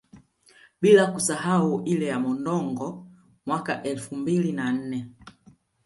Bila kusahau ile ya Mondongo mwaka wa elfu mbili na nne